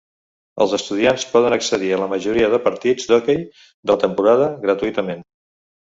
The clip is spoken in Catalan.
Els estudiants poden accedir a la majoria de partits d'hoquei de la temporada gratuïtament.